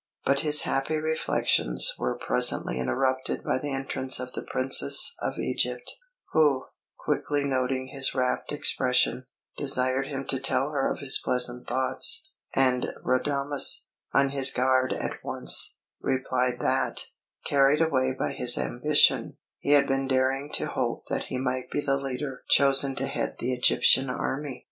But his happy reflections were presently interrupted by the entrance of the Princess of Egypt, who, quickly noting his rapt expression, desired him to tell her of his pleasant thoughts; and Radames, on his guard at once, replied that, carried away by his ambition, he had been daring to hope that he might be the leader chosen to head the Egyptian army.